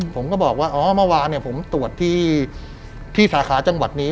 ผมก็บอกว่าอ๋อเมื่อวานผมตรวจที่สาขาจังหวัดนี้